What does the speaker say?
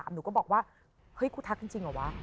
หนูก็บอกว่าเฮ้ยครูทักจริงเหรอวะ